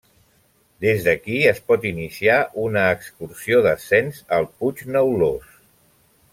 Des d'aquí es pot iniciar una excursió d'ascens al Puig Neulós.